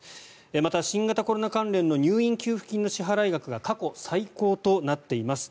また、新型コロナ関連の入院給付金の支払額が過去最高となっています。